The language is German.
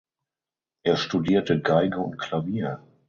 Er studierte Geige und Klavier.